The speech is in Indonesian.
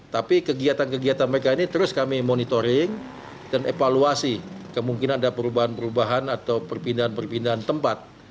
tapi kegiatan kegiatan mereka ini terus kami monitoring dan evaluasi kemungkinan ada perubahan perubahan atau perpindahan perpindahan tempat